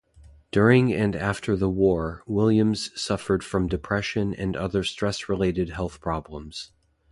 During and after the war, Williams suffered from depression and other stress-related health problems.